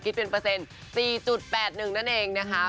คิดเป็นเปอร์เซ็นต์๔๘๑นั่นเองนะคะ